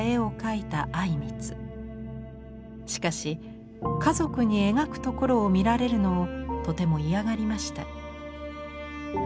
しかし家族に描くところを見られるのをとても嫌がりました。